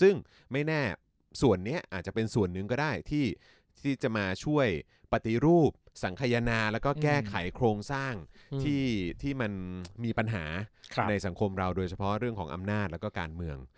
ซึ่งไม่แน่ส่วนนี้อาจจะเป็นส่วนหนึ่งก็ได้ที่จะมาช่วยปฏิรูปสังขยนาแล้วก็แก้ไขโครงสร้างที่มันมีปัญหาในสังคมเราโดยเฉพาะเรื่องของอำนาจแล้วก็การเมือง